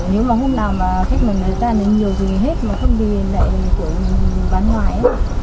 nếu mà hôm nào mà khách người ta lấy nhiều gì hết mà không đi lấy của mình bán ngoài